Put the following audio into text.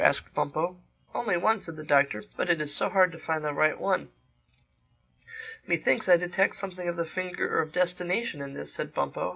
asked Bumpo. "Only one," said the Doctor—"But it is so hard to find the right one." "Methinks I detect something of the finger of Destination in this," said Bumpo.